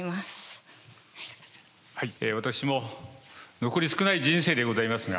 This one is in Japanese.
私も残り少ない人生でございますが。